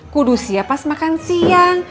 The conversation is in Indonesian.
kudusia pas makan siang